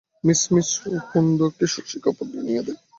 মিছিমিছ কুন্দকে শশী কাপড় কিনিয়া দেয়।